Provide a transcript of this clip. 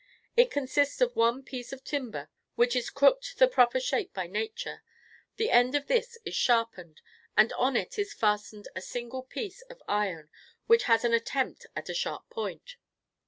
It consists of one piece of timber which is crooked the proper shape by nature; the end of this is sharpened, and on it is fastened a single piece of iron which has an attempt at a sharp point.